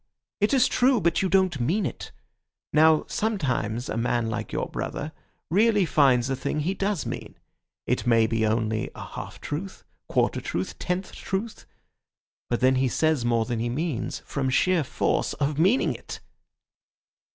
It is true, but you don't mean it. Now, sometimes a man like your brother really finds a thing he does mean. It may be only a half truth, quarter truth, tenth truth; but then he says more than he means—from sheer force of meaning it."